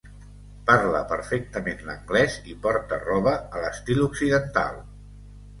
Parla perfectament l'anglès, i porta roba a l'estil Occidental.